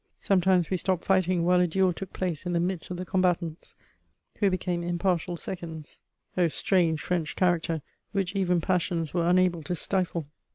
Sometimes we stopped fighting while a duel took place in the midst of the combatants, who became impartial seconds: O strange French character, which even passions were unable to stifle!